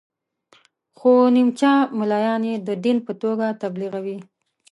خو نیمچه ملایان یې د دین په توګه تبلیغوي.